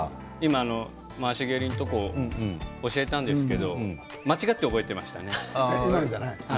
回し蹴りのところを教えたんですが間違って覚えていますね。